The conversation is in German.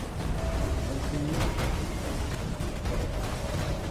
Vor dem Hauptturnier fand eine Qualifikation statt.